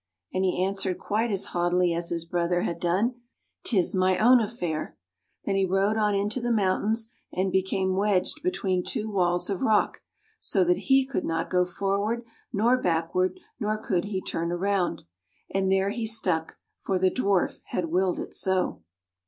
" And he answered quite as haughtily as his brother had done, " 'Tis my own affair." Then he rode on into the mountains, and became wedged between two walls of rock, so that he could not go forward nor back ward, nor could he turn around. And there he stuck, for the Dwarf had willed it so.